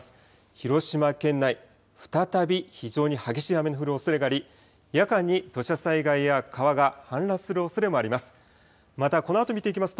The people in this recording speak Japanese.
広島県内、再び非常に激しい雨の降るおそれがあり夜間に土砂災害や川が氾濫するおそれもあります。